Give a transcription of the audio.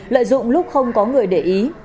lợi dụng lúc không có người để ý